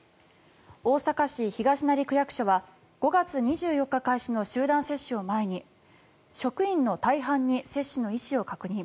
大阪市東成区役所は５月２４日開始の集団接種を前に職員の大半に接種の意思を確認。